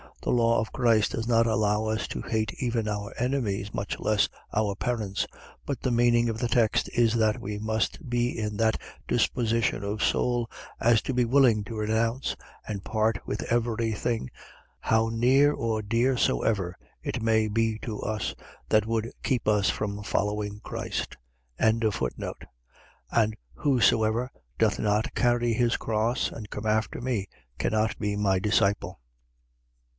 .The law of Christ does not allow us to hate even our enemies, much less our parents: but the meaning of the text is, that we must be in that disposition of soul, as to be willing to renounce, and part with every thing, how near or dear soever it may be to us, that would keep us from following Christ. 14:27. And whosoever doth not carry his cross and come after me cannot be my disciple.